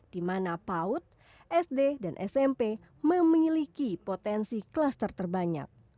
di mana paud sd dan smp memiliki potensi klaster terbanyak